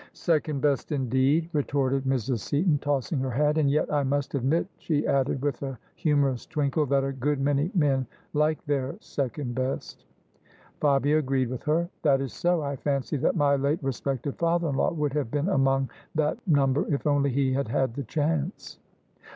" Second best, indeed I " retorted Mrs. Seaton, tossing her head. " And yet I must admit," she added with a humor ous twinkle, " that a good many men like their second best." Fabia agreed with her. "That is so: I fancy that my late respected father in law would have been among that number if only he had had the chance."